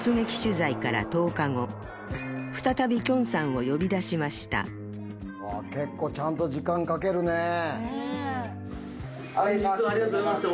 再びきょんさんを呼び出しました結構ちゃんと時間かけるね先日はありがとうございました